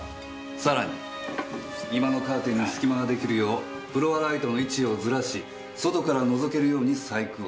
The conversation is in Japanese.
さらに居間のカーテンにすき間ができるようフロアライトの位置をずらし外からのぞけるように細工をした。